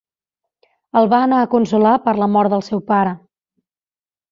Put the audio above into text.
El va anar a consolar per la mort del seu pare.